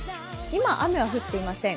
今、雨は降っていません。